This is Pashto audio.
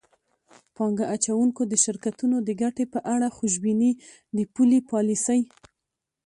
پانګه اچوونکو د شرکتونو د ګټې په اړه خوشبیني د پولي پالیسۍ